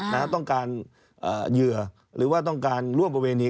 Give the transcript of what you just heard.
ต้องการเหยื่อหรือว่าต้องการร่วมประเวณี